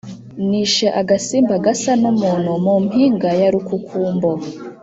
nishe agasimba gasa n’umuntu mu mpinga ya Rukukumbo